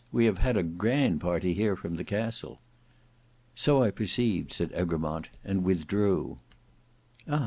We have had a grand party here from the castle." "So I perceived," said Egremont, "and withdrew." "Ah!